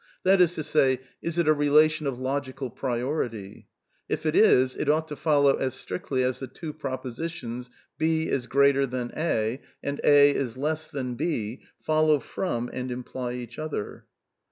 That is to say : Is it a relation of logical priority ? If it is, it ought to follow as strictly as the two propositions: " B is greater than A,'' and " A is less than B " follow from and imply each other.